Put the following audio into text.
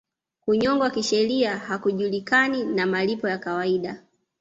Kunyongwa kisheria hakujulikani na malipo ya kawaida